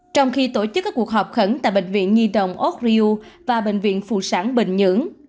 trong khi tổ chức các cuộc họp khẩn tại bệnh viện nhi đồng ok riu và bệnh viện phụ sản bình nhưỡng